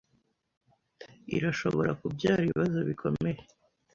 Irashobora kubyara ibibazo bikomeye.